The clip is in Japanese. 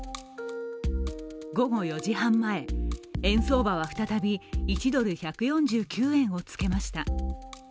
午後４時半前、円相場は再び１ドル＝１４９円をつけました。